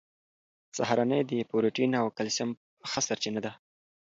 سهارنۍ د پروټین او کلسیم ښه سرچینه ده.